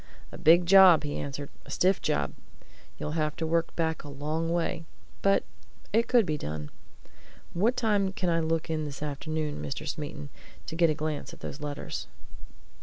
"A big job!" he answered. "A stiff job! You'd have to work back a long way. But it could be done. What time can I look in this afternoon, Mr. Smeaton, to get a glance at those letters?"